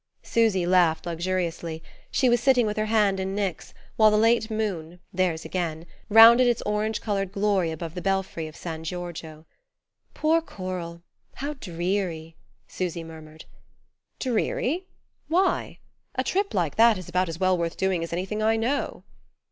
Susy laughed luxuriously: she was sitting with her hand in Nick's, while the late moon theirs again rounded its orange coloured glory above the belfry of San Giorgio. "Poor Coral! How dreary " Susy murmured "Dreary? Why? A trip like that is about as well worth doing as anything I know."